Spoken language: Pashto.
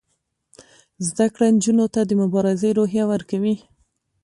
زده کړه نجونو ته د مبارزې روحیه ورکوي.